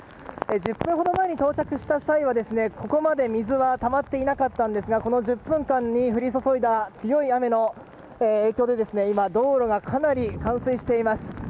１０分ほど前に到着した際はここまで水はたまっていなかったんですがこの１０分間に降り注いだ強い雨の影響で道路がかなり冠水しています。